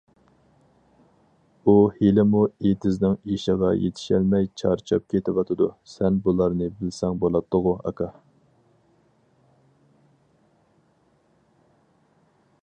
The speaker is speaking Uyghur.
ئۇ ھېلىمۇ ئېتىزنىڭ ئىشىغا يېتىشەلمەي چارچاپ كېتىۋاتىدۇ، سەن بۇلارنى بىلسەڭ بولاتتىغۇ، ئاكا!